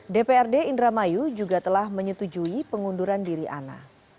dprd indramayu juga telah menyetujui pengunduran diri ana